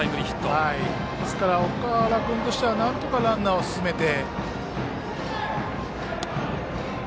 ですから、岳原君としてはなんとかランナーを進めて。